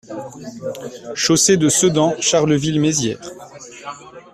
Chaussée de Sedan, Charleville-Mézières